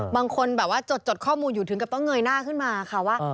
บางคนจดข้อมูลอยู่ถึงเกาะเงยหน้าขึ้นมาค่ะว่า